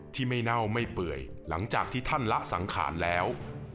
ที่ไม่เน่าไม่เปื่อยหลังจากที่ท่านละสังขารแล้ว